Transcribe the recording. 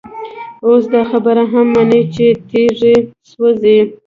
اوس دا خبره هم مني چي تيږي سوزي،